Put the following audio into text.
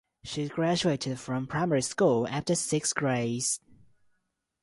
She graduated from primary school after six grades.